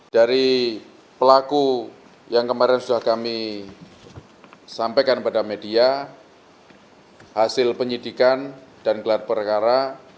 dari pelaku yang kemarin sudah kami sampaikan pada media hasil penyidikan dan gelar perkara